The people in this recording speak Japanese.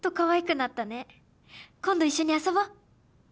「今度一緒に遊ぼう！」